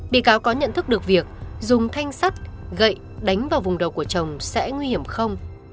bị cáo có nhận thức được việc dùng thanh sắt gậy đánh vào vùng đầu của chồng sẽ nguy hiểm không